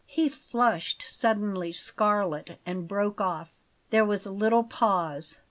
He flushed suddenly scarlet and broke off. There was a little pause.